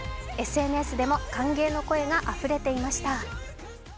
ＳＮＳでも歓迎の声があふれていました。